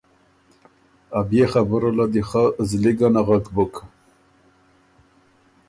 ا بيې خبُره له دی خه زلی ګۀ نغک بُک